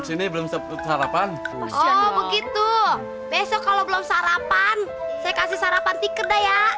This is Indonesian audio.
sini belum sarapan begitu besok kalau belum sarapan saya kasih sarapan tiket